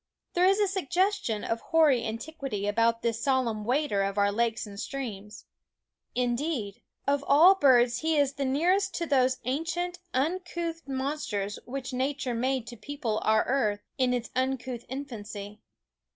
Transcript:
There is a suggestion of hoary antiquity about this solemn wader of our lakes and streams. Indeed, of all birds he is the nearest to those ancient, uncouth monsters which Nature made to people our earth in its uncouth infancy.